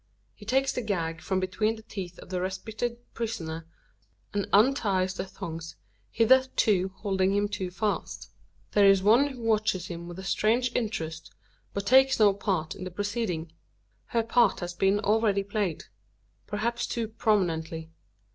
He takes the gag from between the teeth of the respited prisoner, and unties the thongs hitherto holding him too fast. There is one who watches him with a strange interest, but takes no part in the proceeding. Her part has been already played perhaps too prominently.